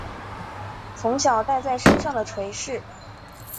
从小带在身上的垂饰